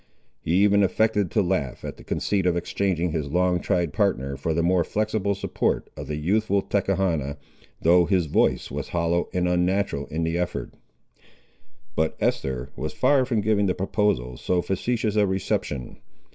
He even affected to laugh at the conceit of exchanging his long tried partner for the more flexible support of the youthful Tachechana, though his voice was hollow and unnatural in the effort. But Esther was far from giving the proposal so facetious a reception.